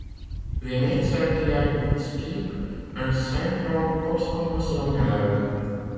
Les médecins diagnostiquent un syndrome post-commotionnel.